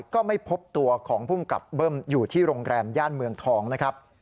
ก็ไม่พบตัวของภูมิกับเบิ้มอยู่ที่โรงแรมย่านเมืองทองนะครับ